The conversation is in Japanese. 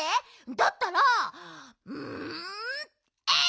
だったらんえいっ！